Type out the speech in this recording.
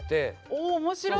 おお面白い！